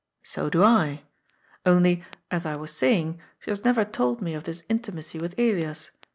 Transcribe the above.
So do I. Only, as I was saying, she has never told me of this intimacy with Elias.